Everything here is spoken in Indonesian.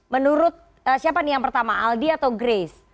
menurut siapa nih yang pertama aldi atau grace